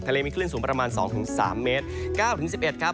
ทะเลมีคลื่นสูงประมาณ๒๓เมตร